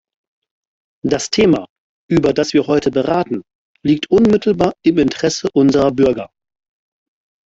Das Thema, über das wir heute beraten, liegt unmittelbar im Interesse unserer Bürger.